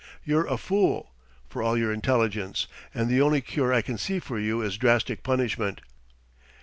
You're a fool, for all your intelligence, and the only cure I can see for you is drastic punishment."